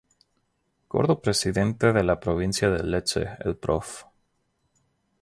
Gordo Presidente de la Provincia de Lecce el Prof.